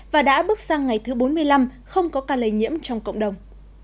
và đã bước sang ngày thứ bốn mươi năm không có ca lây nhiễm trong cộng đồng